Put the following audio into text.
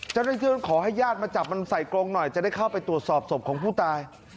เจ้าหน้าที่ขอให้ญาติมาจับมันใส่กรงหน่อยจะได้เข้าไปตรวจสอบศพของผู้ตาย